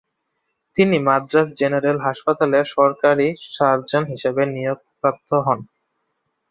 তিনি মাদ্রাজ জেনারেল হাসপাতালে সহকারী সার্জন হিসেবে নিয়োগপ্রাপ্ত হন।